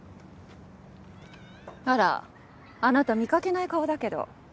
あらあなた見かけない顔だけど？